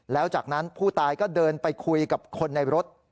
แล้วจากนั้นผู้ตายก็เดินไปคุยกับคนในรถ